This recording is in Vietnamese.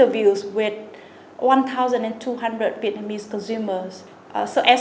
và ở việt nam chúng tôi đã xử lý